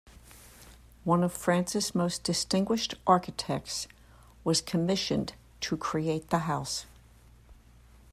One of France's most distinguished architects was commissioned to create the house.